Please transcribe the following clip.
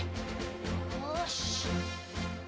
よし。